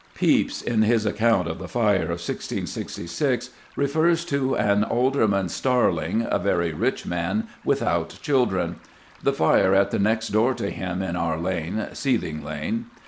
Pepys, in his account of the Fire of 1666, refers to an "Alderman Starling, a very rich man, without children. The fire at the next door to him in our lane (Seething Lane).